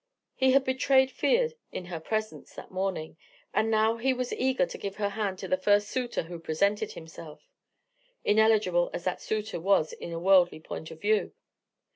He had betrayed fear in her presence, that morning: and now he was eager to give her hand to the first suitor who presented himself: ineligible as that suitor was in a worldly point of view.